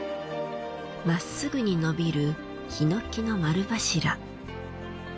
まっすぐに伸びる檜の丸柱。